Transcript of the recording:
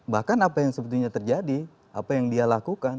bahkan apa yang sebetulnya terjadi apa yang dia lakukan